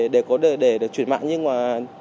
để có được để được chuyển mạng nhưng mà